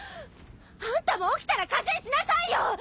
あんたも起きたら加勢しなさいよ！